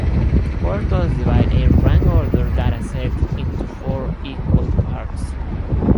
Quartiles divide a rank-ordered data set into four equal parts.